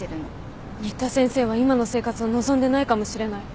新田先生は今の生活を望んでないかもしれない。